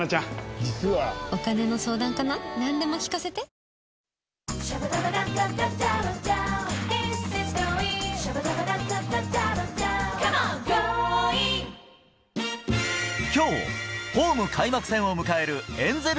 この後きょう、ホーム開幕戦を迎えるエンゼル